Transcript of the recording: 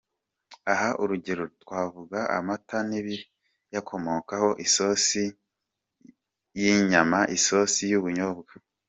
Aha urugero twavuga amata n’ibiyakomokaha, isosi y’inyama, isosi y’ubunyobwa,….